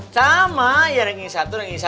sama ya ranking satu ranking satu